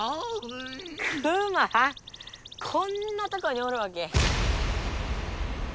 こんなとこにおるわけ。